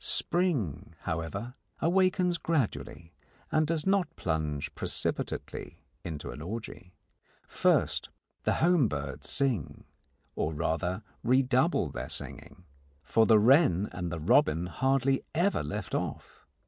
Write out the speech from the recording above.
Spring, however, awakens gradually, and does not plunge precipitately into an orgy. First, the home birds sing, or rather redouble their singing, for the wren and the robin hardly ever left off.